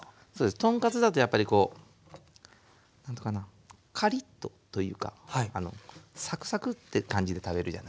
豚カツだとやっぱりこうカリッとというかサクサクって感じで食べるじゃないですか。